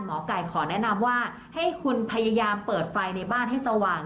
หมอไก่ขอแนะนำว่าให้คุณพยายามเปิดไฟในบ้านให้สว่าง